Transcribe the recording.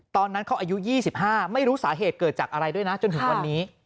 ตอนนั้นเขาอายุ๒๕ไม่รู้สาเหตุเกิดจากอะไรด้วยนะจนถึงวันนี้